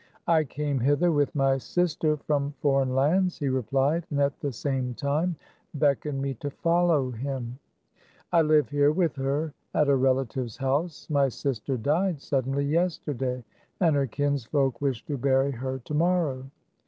"I came hither with my sister from foreign lands," he replied, and at the same time beck oned me to follow him. " I live here with her at a relative's house. My sister died suddenly yesterday, and her kinsfolk wish to bury her to morrow.